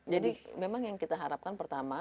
jadi memang yang kita harapkan pertama